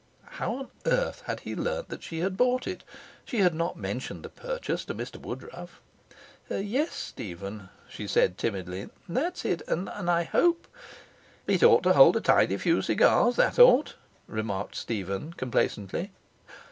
How on earth had he learnt that she had bought it? She had not mentioned the purchase to Mr Woodruff. 'Yes, Stephen,' she said timidly. 'That's it, and I hope ' 'It ought to hold a tidy few cigars, that ought,' remarked Stephen complacently.